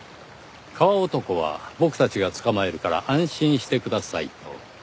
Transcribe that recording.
川男は僕たちが捕まえるから安心してくださいと。